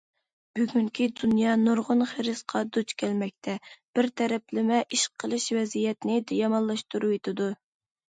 بۈگۈنكى دۇنيا نۇرغۇن خىرىسقا دۇچ كەلمەكتە، بىر تەرەپلىمە ئىش قىلىش ۋەزىيەتنى يامانلاشتۇرۇۋېتىدۇ.